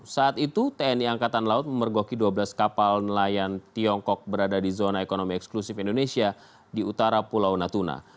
saat itu tni angkatan laut memergoki dua belas kapal nelayan tiongkok berada di zona ekonomi eksklusif indonesia di utara pulau natuna